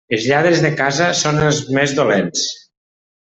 Els lladres de casa són els més dolents.